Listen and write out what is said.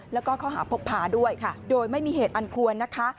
แล้วก็ข้อหาพกพาด้วยโดยไม่มีเหตุอันควรนะคะ